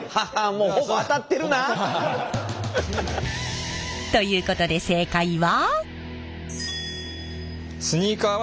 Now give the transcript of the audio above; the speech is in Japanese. もうほぼ当たってるな？ということで正解は。